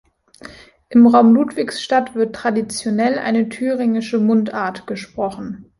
Im Raum Ludwigsstadt wird traditionell eine thüringische Mundart gesprochen.